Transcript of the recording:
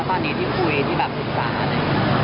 ตอนนี้ที่คุยที่แบบสึกตา